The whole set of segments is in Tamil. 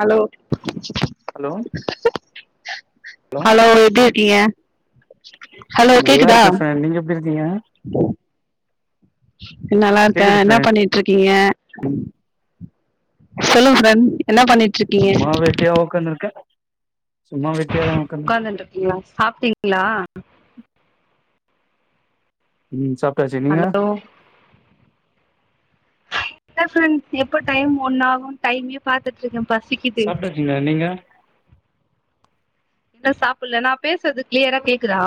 அலோ ஹலோ ஹலோ அலோ எப்டி இருக்கீங்க அலோ நல்லா கேக்குதா இருக்கே ஃப்ரெண்ட் நீங்க எப்டி இருக்கீங்க நல்லா இருக்க கேக்குது என்ன ஃப்ரெண்ட் பண்ணிட்டு இருக்கீங்க சொல்லு ஃப்ரெண் சும்மா வெட்டியா ஒக்காந்துருக்க உக்காந்துன்ட்ருக்கீங்ளா சாப்ட்டீங்ளா ம் சாப் டாச்சு நீங்க ஹலோ இல்ல ஃப்ரெண் எப்ப டைம் ஒன்னாகும் டைமயே பாத்துட்ருக்கேம் சாப்ட இருக்கீங்ளா நீங்க இன்னு சாப்புல்ல நா பேசறது கிளியரா கேக்குதா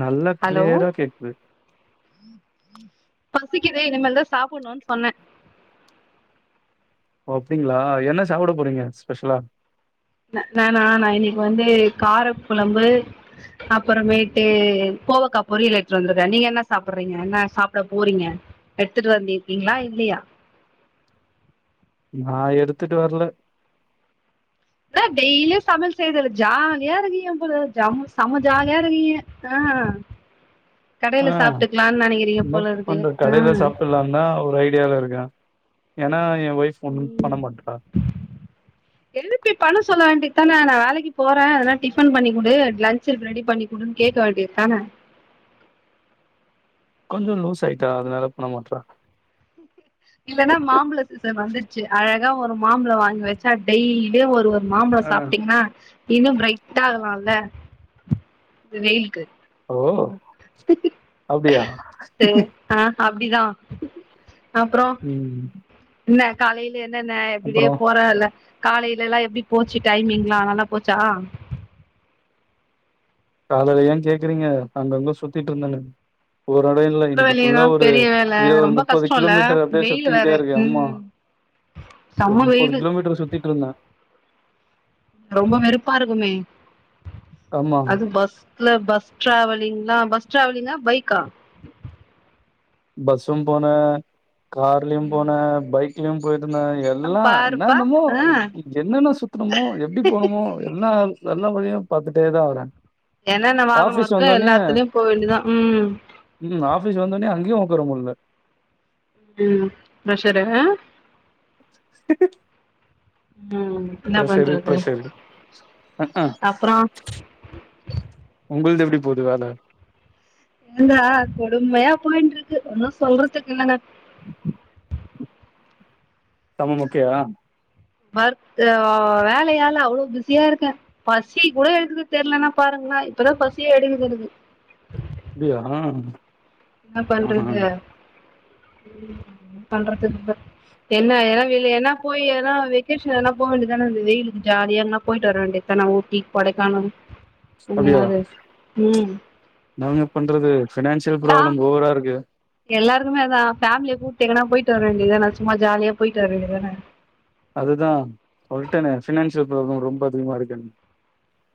நல்லா ஹலோ க்ளியரா கேக்குது [unintelligible] பசிக்குதே இனமேல்தா சாப்புன்னுன்னு சொன்ன ஓ அப்டிங்களா என்ன சாப்ட போறீங்க ஸ்பெஷலா ந நானா நா இன்னிக்கு வந்து கார குழம்பு அப்புறமேட்டு கோவக்கா பொரியல் எடுத்துட்டு வந்துருக்க நீங்க என்ன சாப்புறீங்க என்ன சாப்புட போறீங்க எடுத்துட்டு வந்திருக்கீங்ளா இல்லியா நா எடுத்துட்டு வரல என்ன டெய்லியு சமயல் செய்றது ஜாலியா இருக்கீங்க போல ஜெ செம ஜாலியா இருக்கீங்கங்க ஆ கடையில ஆ சாப்ட்டுக்கலான்னு நெனைக்கிறீங்க என்ன போல இருக்கு பன்றது ஆ கடையில சாப்புடலான்தா ஒரு ஐடியால இருக்க ஏன்னா எ ஒய்ஃப் ஒன்னு பண்ண ம் மாட்றா எழுப்பி பண்ண சொல்ல வேண்டி எத்தன நாளைக்கு போற எதனா டிஃபன் பண்ணி குடு லன்ச் சு ரெடி பண்ணிக்குடுன்னு கேட்க வேண்டியதான கொஞ்சோ லூஸ் ஆயிட்டா அதனால பண்ணமாட்றா இல்லன்னா மாம்பழ சீசன் வந்துருச்சு அழ கா ஒரும் மாம்பழம் வாங்கி வச்சா டெய்லி அப்டியே ஒரு ஆ மாம்பழம் சாப்டீங்னா இன்னும் பிரைட்டா ஆகலாம்ல இந்த வெயிலுக்கு ஓ அப்டியா [unintelligible] அப்படிதான் அப்பறம் ம் இன்ன காலையில என்னன்ன இப்டியே அப்றோ போறல காலையில எல்லாம் எப்டி போச்சு டைமிங்லாம் நல்லா போச்சா காலைல ஏன் கேக்குறீங்க அங்கங்க சுத்திட்டுருந்தேனு ஒரு எடம் இல்ல வீட்டு இன்னக்கு வேலையதா ஃபுல்லா ஒரு பெரிய வேல இருவது ரொம்ப முப்பது கஷ்டோல்ல கிலோமீட்டர் அப்டியே வெயில் வேற சுத்திக்கிட்டே இருக்கேன் ஆமா ம் ஒரு செம்ம முப்பது வெயிலு கிலோமீட்டர் சுத்திட்ருந்தேன் ரொம்ப வெருப்பாருக்குமே ஆமா அதுக் பஸ் ல்ல பஸ் டிராவலிங்ளா பஸ் டிராவலிங்கா பைக்கா பஸ்சும் போன கார்லயும் போன ம் பைக் கியும் போய் னா எல்லாம் பாருப்பா என்னமோ ஆ என்னென்ன சுத்தணுமோ எப்டி போனுமோ எல்லாம் ஜன்னல் வழியா பாத்துட்டே தான் வரேன் என்னன்ன வாகனம் இருக்கோ எல்லாத்துலயும் போவேண்டியதான் உம் காயும் உக்கார முடில உம் பிரஷர்ரு ம் என்ன பிரஷர்ரு பண்றது பிரஷர்ரு ஹாஹான் அப்றோ உங்களது எப்டி புது வேல ஏந்தா கொடுமையா போயின்ட்டு இருக்கு ஒன்னும் சொல்றதுக்கு இல்ல செம மொக்கயா வர்க் அஹ் வேலையால அவ்வளவு பிஸியா இருக்கேன் பசி கூட எடுக்கது தெரலன்னா பாருங்களேன் இப்பதான் பசியே எடுக்கது எனக்கு அப்டியா என்ன ஆஹா பண்றது பண்றதுக்கு என்னன்னா இல்ல என்ன போய் என்ன வாகேஸ்ஷன் எனா போக வேண்டியதானே வெயிலுக்கு ஜாலியா எங்கன போயிட்டு வர வேண்டியதுதான ஊட்டி கொடைக்கானல் அப்படியா எங்கயாது ம் நாங்க பண்றது ஃபினான்ஸ் பராப்ளம் ஓவரா இருக்கு [inaudible] எல்லாரும் ஃபேமிலிய கூடப்டிங்னா போயி ட்டு வர வேண்டியதுானான் சும்மா ஜாலியா போயிட்டு வரவே ண்டியதான அதுதான் சொல்லிட்டனே பினான்சியல் பராப்ளம் ரொம்ப அதிகமா இருக்கு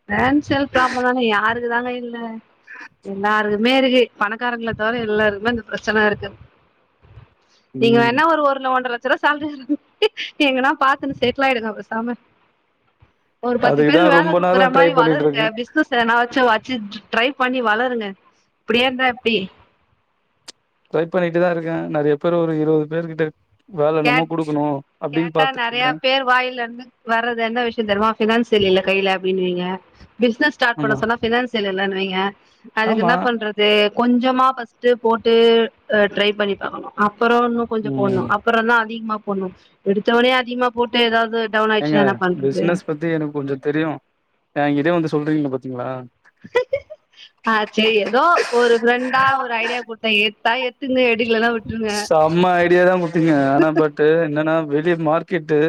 பினான்சியல் ப்ராப்ளம் தானே யாருக்கு தாங்க இல்ல எல்லாருக்குமே இருக்கு பணக்காரங்கள தவிர எல்லாருக்குமே இந்த பிரச்சனை இருக்கு நீங்க ம் வேணா ஒரு ஒன்ற லட்சம் எங்கனா பாத்துன்னு செட்டில் ஆயிடுங்க பேசாம அதுக்குதான் ரொம்ப நேரம் மாதிரி வளருங்க பிஸ்னஸ்ல எதனா வச்சு ட்ரை பண்ணி வளருங்க இப்படியே இருந்த எப்படி ட்ரை பண்ணிட்டு தா இருக்கே நிறைய பேர் ஒரு இருபது பேரு கிட்ட கேட் கேட்டா நிறைய பாத்துட்ருக்கே பேர் வாயிலேர்ந்து வர்றது என்ன விஷயம் தெரியுமா பினான்சியல் இல்ல கைல அப்டினுவீங்க பிசினஸ் ஸ்டார்ட் பண்ண ஆமா சொன்னா பினான்சியல் இல்லன்னுவீங்க அதுக்கு ஆமா என்ன பண்றது கொஞ்சமா பஸ்ட் போட்டு டு ட்ரை பண்ணி பாக்கனோ அப்பறம் இன்னும் கொஞ்ச ம் போடனு அதிகமா போண்ணோ எடுத்தவனே அதிகமா போட்டு ஏதாவது டவுன் எங்க ஆயிடுச்சுன்னா என்ன பண்றது பிசினஸ் பத்தி எனக்கு கொஞ்சோ தெரியும் எங்கிட்ட வந்து சொல்றீங்களா பாத்தீங்களா ஆஹ் சேரி ஏதோ ஒரு ப்ரெண்டா ஒரு ஐடியா கொடுத்தேன் ஏடுத்தா எடுத் தூங்க செம ஐடியா தான் குடுத்தீங்க ஆனா பட்டு் என்னன்னா வெளி மார்க்கெட்டு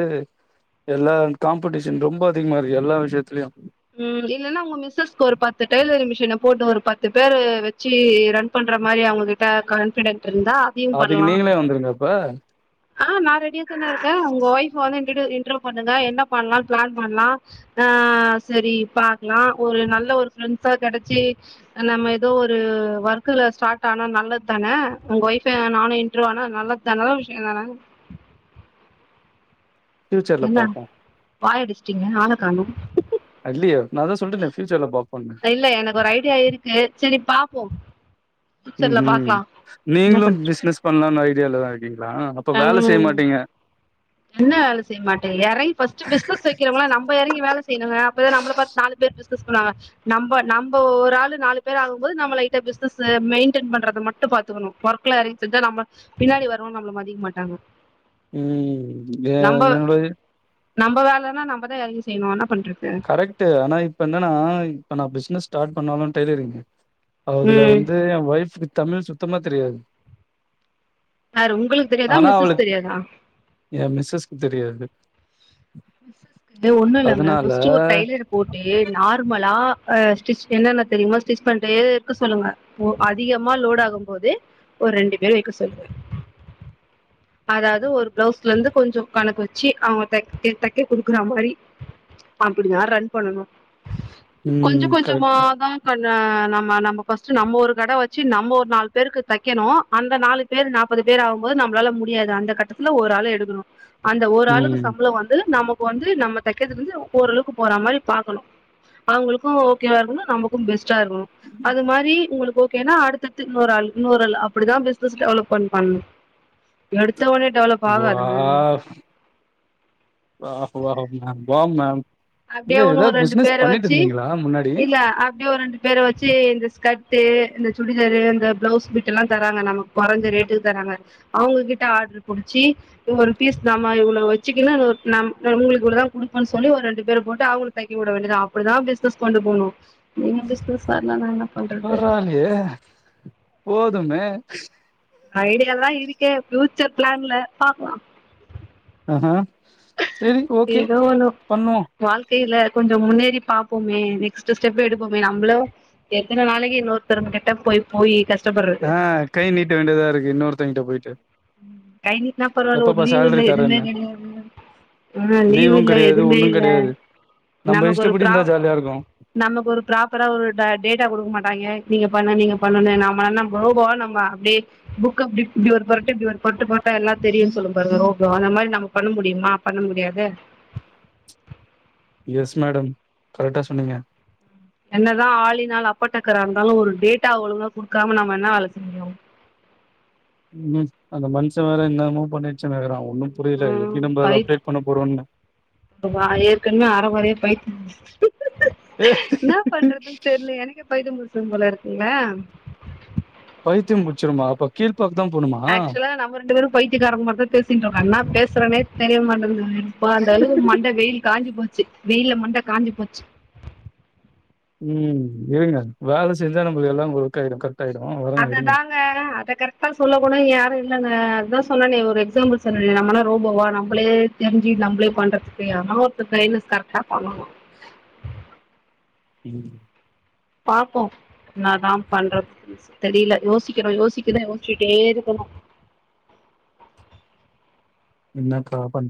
எல்லா காம்படிஷன் ரொம்ப அதிகமா இருக்கு எல்லா விஷயத்தலயும் ம் இல்லன்னா உங்க மிஸ்ஸஸ்க்கு ஒரு பத்து டெய்லரிங் மிஷின போட்டு ஒரு பத்து பேரு வச்சு ரன் பண்ற மாரி அவங்கிட்ட கான்பிடன்ஸ் இருந்தா அதையும் அதுக்கு பண்ணலா நீங்களே வந்துருங்க அப்ப நான் ரெடியா தானே இருக்கேன் உங்க வைப் வந்து இன்றோ பண்ணுங்க என்ன பண்ணலா பிளான் பண்ணலா சேரி பாக்கலாம் ஒரு நல்ல ஒரு ஃரெண்ட்ஸா கிடச்சி நம்ப ஏதோ ஒரு ஒர்க்கல ஸ்டார்ட் ஆனா நல்லது தானே உங்க வைப் என்ன நானு இன்றோ ஆனா நல்லது தான நல்ல விஷய தானே ஃபியூச்சர்ல பாப்போ வாய அடிச்சிட்டீங்க ஆளக்காணு இல்லையே! நான் சொல்டேனே ஃபியூச்சர்ல பாப் இல்ல எனக்கு ஒரு ஐடியா இருக்கு சேரி பாப் போம் உம் உம் நீங்களும் பண்ற பிசினஸ் பண்ணலானு ஐடியால தான் இருக்கீங்களா ஆ அப்ப வேல செய்ய ம் மாட்டீங்க என்ன வேலை செய்யமாட்டீங்க இறங்கி ஃபர்ஸ்ட் பிசினஸ் வைக்கிறவங்களா நம்ம இறங்க வேலை செய்யணுங்க அப்ப தா நம்மள பாத்து நாலு பேரு பிசினஸ்ல நம்ம நம்ம ஒரு ஆள் நாலு பேர் ஆகும் போது நம்ம லைட்டா பிசினஸ் மெயின்டெய்ன் பண்றத மட்டும் பாத்துக்கனும் ஒர்க்ல எறங்கி செஞ்சா நம்ம பின்னாடி வரவங்க நம்மள மதிக்க மாட்டாங்க ம் ஏ என்னுடை நம்ம வேலைன்னா நம்ம தா இறங்கி செய்யானு ஆனா கரெக்ட் ஆனா இப்ப என்னன்னா இப்ப நா பிசினஸ் ஸ்டார்ட் பண்ணாலும் டை்லரிங்கு அதுல ம் வந்து என் வைஃப் தமிழ் சுத்தமா தெரியாது யாரு உங்களுக்கு தெரியாதா ஆனா மிஸ்ஸஸ் அவளுக்கு தெரியாதா என் மிஸஸ்க்கு தெரியாது ஒண்ணு இல்லங்க அதனால ஃபர்ஸ்ட் ஒரு டைலரு போட்டு நார்மலா அ ஸ்டிச் என்னன்ன தெரியுமோ ஸ்டிச் பண்டே ருக்கு சொல்லுங்க அதிகமா லோட் ஆகும் போது ஒரு ரெண்டு பேர் வைக்க சொல்லுங்க அதாவது ஒரு பிளவுஸ்லந்து கொஞ்சம் கணக்கு வச்சு அவங்க த தக்க குடுக்குற மாரி அப்டி தா ரன் பண்ணணும் கொஞ்ச ம். கொஞ்சமா கரெக்ட்டு. தா நம் நா நம்ம ஃபஸ்டு ஒரு கட வச்சு நம்ம ஒரு நாலு பேருக்கு தைக்கணு அந்த நாலு பேர் நாற்பது பேர் ஆவும்போது நம்பளால மு முடியாது அந்த கட்டத்துல ஒரு ஆளு எடுக்கனும் அந்த ஒரு ஆளுக்கு ம். சம்பளம் வந்து நம் வந்து நம்ம தைக்கது வந்து ஓரளவுக்கு போற மாரி பாக்கணும் அவங்களுக்கு ஓகேவ இருக்கனு நமக்கு பெஸ் டா இருக்கனும் அது மாரி உங்களுக்கு ஓகேன்னா அடுத்தடுத்து இன்னொரு ஆள் இன்னொரு ஆள் அப்டி தா பிசினஸ் டெவலப்மெண் பண்ணணும் எடு வாவ் வாவ் வாவ்ங்க வாவ் மேம் அப்டியே எங்க ஒன்னு ஒரு ஏதாவது ரெண்டு பிசினஸ் பேரை பண்ணிட்டு வச்சு இருந்தீங்களா முன்னாடி? இல்ல அப்டியே ஒரு ரெண்டு பேரை வச்சு இந்த ஸ்கட் டு இந்த சுடிதாரு இந்த பிளவுஸ் பிட்டு எல்லா தராங்க நமக்கு குறைஞ்ச ரேட்டுக்கு தராங்க அவுங்ககிட்ட ஆடர்ரு புடிச்சு ஒரு பீஸ் நம்ம இவ்ளோ வச்சிக்கினு நம் நம்மளுக்கு இவளே தா குடுப்பன்னு சொல்லி ஒரு ரெ ரெண்டு ண்டு பேர் போட்டு அவங்கள தைக்க விட வேண்டியது தா அப்டிதா பிசினஸ் கொண்டு போனும் நீங்க பிசினஸ் வரலான நா என்ன பண்றது பரவா இல்லையே போதுமே ஹ ஐடியா எல்லா இருக்கே டு பிளான்ல பாப்போம் அஹா ஏதோ ஒன்னு பண்ணுவோ வாழ்க்கையில கொஞ்சோ முன்னேறி பாப்போமே நெக்ஸ்ட்டு ஸ்டெப்பு எடுப்போமே நம்மளோ எத்தன நாளைக்கு இன்னொருத்தர்கிட்ட போய் போய் கஷ் ஆ கை நீட்ட வேண்டதாருக்கு இன்னொருத் தங்கிட்ட போயிட்டு கை நீட்ன்னா பரவால்ல ஒரு எப்பப்பா லீவ் சேலரி இல்ல எதுமே தரேன்னு கெடையாது ஆ லீவ் லீவு இல்ல கெடையாது எதுமே ஒன்னு இல்ல கெடையாது நம்ம நமக்கு ஒரு இஷ்டப்படி இருந்தா ஃப்ராவ் ஜாலியா இருக்கு நமக்கு ஒரு ஃப்ராப்பரா ஒரு டா டேட்டா குடுக்க மாட்டாங்கே நீங்க பண்ண நீங்க பண்ணுன நம்ம என்ன ரோபோவா நம்ம அப்டியே புக்கு அப்டி இப்டி ஒரு இப்டி ஒரு கொட்டு போட்டா எல்லா தெரியும்னு சொல்லும் பாருங்க ரோபோவா அந்த மாரி நம்ம பண்ண முடியுமா பண்ண முடியாது எஸ் மேடம் கரெக்டா சொன்னீங்க என்னதா ஆளினாள் அப்பாட்டக்கரா இருந்தாலு ஒரு டேட்டா ஒங்ழுகா குடுக்காம நம்ம என்ன வேல செய்ய முடியு ம் அந்த மனுஷ வேற இன்னமு பண்ணிச் [unintelligible] ஒன்னும் புரியல ம் எப்டி நம்ப அத அப்டேட் பண்ண போறோன்னு [unintelligible] இன்னப் பண்றதுன்னு தெரிலயே எனக்கே பத்தியம் புடிச் போல இருக்குங்கள பைத்தியம் புடுச்சுருமா அப்போ கீழ் ஆக்ஸ்சுலா நம்ம ரெண்டு பேரு பைத்தியக்காரங்க மாரிதா பேசிட் உட்காருணா பேஸ் என்ன சொல்றன்னே தெரிய மாட்டேங்குது இப்ப அந்த அளவு மண்ட வெயில் காஞ்சி போ ச்சு வெயில மண்ட காஞ்சி போச்சு ம் இருங்க வேல செஞ்சா [unintelligible] எல்லா ஒர்க் ஆயிரு கரெக் அது தாங்க அத கரெட்டா சொல்ல கூட யாரு இல் இல்லங்க அதுதா சொன்னனே ஒரு எக்ஸாம்பிள் சொன்னனே நம்மனா ரோபோவா நம்பளே தெரிஞ்சு நம்பளே பண்றதுக்கு [unintelligible] கரெக்டா பண்ணணு ம் பாப்போ என்னதா பண்றது தெரியல யோசிக்கனு யோசிக்குற யோசிச்சுட்டே இருக்கணு என்னக்கா பண்